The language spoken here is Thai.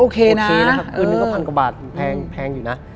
คืนนึงก็๑๐๐๐กว่าบาทแพงอยู่นะ